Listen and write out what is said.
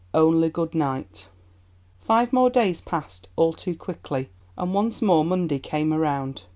ONLY GOOD NIGHT Five more days passed, all too quickly, and once more Monday came round.